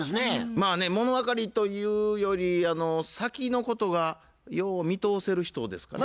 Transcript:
まあねもの分かりというより先のことがよう見通せる人ですかな。